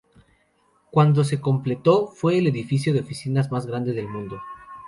Cuando se completó, fue el edificio de oficinas más grande del mundo.